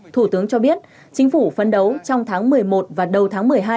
thủ tướng cho biết chính phủ phấn đấu trong tháng một mươi một và đầu tháng một mươi hai